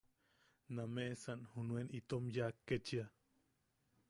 Nameʼesan junuen itom yaak kechia.